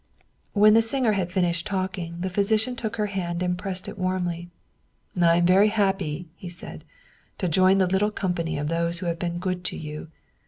" When the singer had finished talking, the physician took her hand and pressed it warmly. " I am very happy," he said, " to join the little company of those who have been good to you.